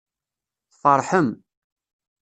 Tfeṛḥem.